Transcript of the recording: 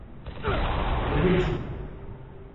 O bi di.